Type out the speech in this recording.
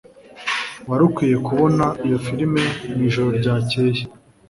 Wari ukwiye kubona iyo firime mwijoro ryakeye